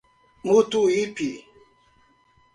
Mutuípe